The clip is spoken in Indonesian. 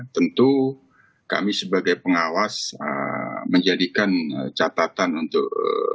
tentu kami sebagai pengawas menjadikan catatan untuk